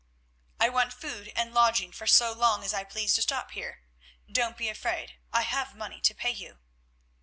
"I want food and lodging for so long as I please to stop here. Don't be afraid, I have money to pay you."